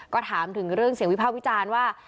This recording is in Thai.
ก็ถามถึงเรื่องเสียงวิภาควิจารณ์ว่า